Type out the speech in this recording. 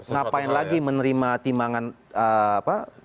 ngapain lagi menerima timbangan apa